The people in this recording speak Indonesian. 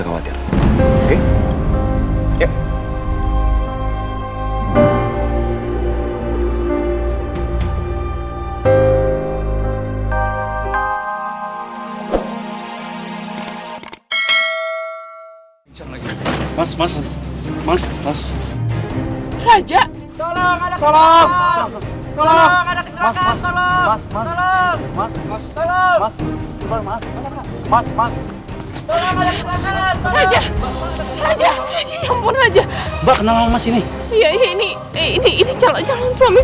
aku harus cari putri